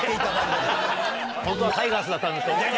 ホントはタイガースだった。